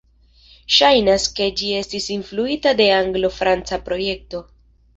Ŝajnas ke ĝi estis influita de Anglo-franca projekto.